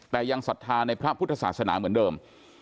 แต่ยังศรัทธาในพระพุทธศาสนาเหมือนเดิม